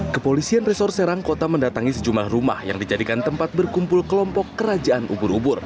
kepolisian resor serang kota mendatangi sejumlah rumah yang dijadikan tempat berkumpul kelompok kerajaan ubur ubur